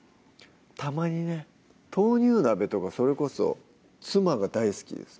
たまにね豆乳鍋とかそれこそ妻が大好きです